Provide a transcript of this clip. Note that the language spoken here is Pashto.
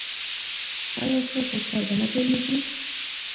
ایا ستاسو کار به نه پیلیږي؟